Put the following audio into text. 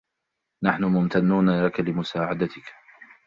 نحن ممتنون لك لمساعدتك.